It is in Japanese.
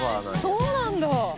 そうなんだ！